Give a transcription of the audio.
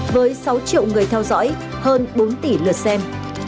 với sáu triệu người theo dõi hơn bốn tỷ lượt xem